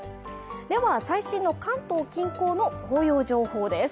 では、最新の関東近郊の紅葉情報です。